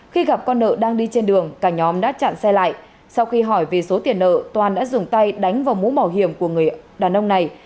khi gặp con nợ đang đi trên đường cả nhóm đã chặn xe lại sau khi hỏi về số tiền nợ toàn đã dùng tay đánh vào mũ bảo hiểm của người đàn ông này